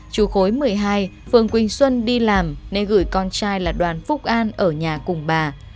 chú khối một mươi hai phường quỳnh xuân đi làm nên gửi con trai là đoàn phúc an ở nhà cùng bà